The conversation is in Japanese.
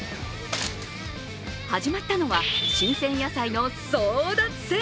始まったのは新鮮野菜の争奪戦。